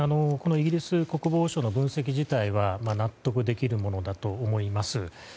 このイギリス国防省の分析自体は納得できるものだと思います。